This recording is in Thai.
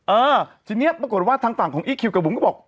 เออทีนี้ปรากฏว่าทางฝั่งของอีคคิวกับบุ๋มก็บอก